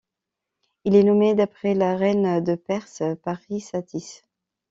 Il est nommé d'après la reine de Perse Parysatis.